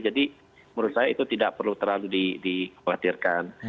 jadi menurut saya itu tidak perlu terlalu dikhawatirkan